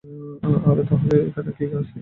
আরে তাহলে আমরা এখানে কি করছি?